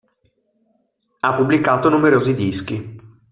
Ha pubblicato numerosi dischi.